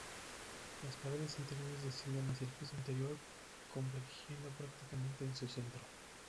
Las paredes interiores descienden hacia el piso interior, convergiendo prácticamente en su centro.